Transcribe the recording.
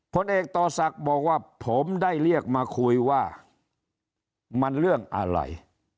ผลเอกต่อศักดิ์บอกว่าผมได้เรียกมาคุยว่ามันเรื่องอะไร